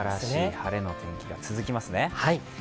晴れの天気が続きますね。